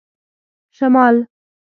شمال